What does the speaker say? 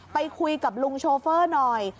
ไปคุยกับลุงโชเฟอร์หน่อย